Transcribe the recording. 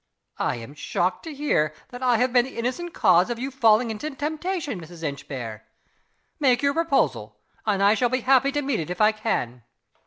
"I am shocked to hear that I have been the innocent cause of your falling into temptation, Mrs. Inchbare! Make your proposal and I shall be happy to meet it, if I can."